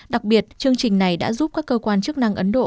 đặc biệt chương trình này đã giúp các cơ quan chức năng ấn độ